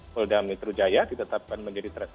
polda mitrujaya ditetapkan menjadi teratangan